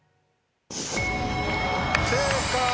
正解！